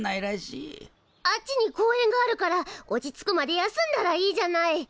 あっちに公園があるから落ち着くまで休んだらいいじゃない。